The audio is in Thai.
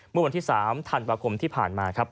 เมื่อวันที่๓ธันวาคมที่ผ่านมาครับ